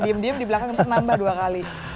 diam diam di belakang nanti nambah dua kali